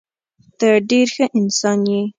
ته ډېر ښه انسان یې.